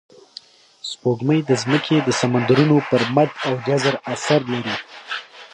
سپوږمۍ د ځمکې د سمندرونو پر مد او جزر اثر لري